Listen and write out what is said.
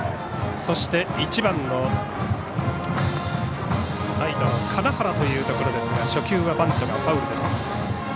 そして、１番のライトの金原というところですが初球はバントがファウル。